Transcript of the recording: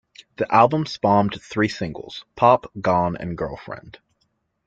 The album spawned three singles: "Pop", "Gone" and "Girlfriend".